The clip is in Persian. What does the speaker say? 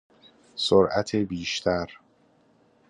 سرعت بیشتر